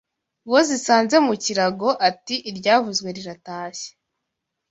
Uwo zisanze mu kirago ati iryavuzwe riratashye